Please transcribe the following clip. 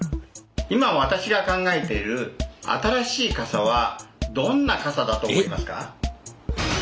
今私が考えている新しい傘はどんな傘だと思いますか？